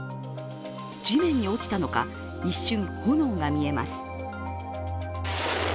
地面に落ちたのか、一瞬、炎が見えます。